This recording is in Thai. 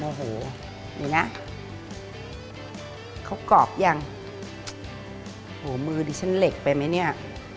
โอ้โหนี่นะเขากรอบยังโหมือดิฉันเหล็กไปไหมเนี่ย